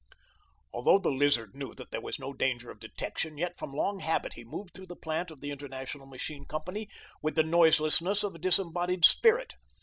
Although the Lizard knew that there was no danger of detection, yet from long habit he moved through the plant of the International Machine Company with the noiselessness of a disembodied spirit.